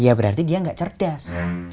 ya berarti dia nggak cerdas